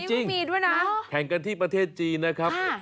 จริงแข่งกันที่ประเทศจีนนะครับแล้วจริง